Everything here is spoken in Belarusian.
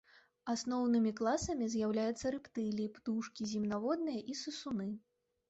Асноўнымі класамі з'яўляюцца рэптыліі, птушкі, земнаводныя і сысуны.